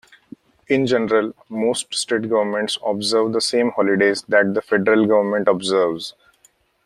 In general, most state governments observe the same holidays that the federal government observes.